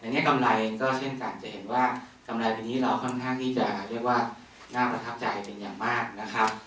นี้กำไรเองก็เช่นกันจะเห็นว่ากำไรปีนี้เราค่อนข้างที่จะเรียกว่าน่าประทับใจเป็นอย่างมากนะครับ